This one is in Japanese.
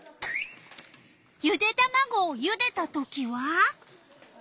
ゆでたまごをゆでたときは？